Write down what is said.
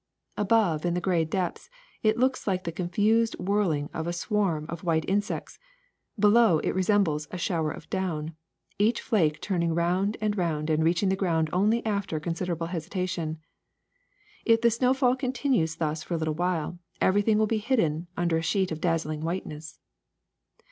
Above, in the gray depths, it looks like the confused whirling of a swarm of white insects; below it resembles a shower of down, each flake turning round and round and reaching the ground only after considerable hesitation. If the snowfall continu^es thus for a little while, everything will be hidden under a sheet of dazzling whiteness.